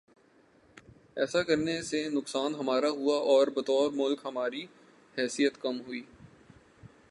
ایسا کرنے سے نقصان ہمارا ہوا اور بطور ملک ہماری حیثیت کم ہوئی۔